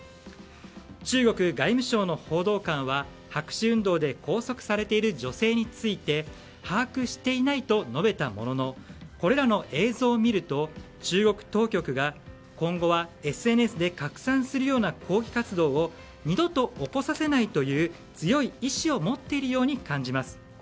中国外務省の報道官は白紙運動で拘束されている女性について把握していないと述べたもののこれらの映像を見ると中国当局が、今後はＳＮＳで拡散するような抗議活動を二度と起こさせないという強い意志を持っているように感じます。